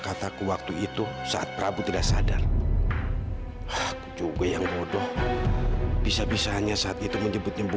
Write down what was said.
sampai jumpa di video selanjutnya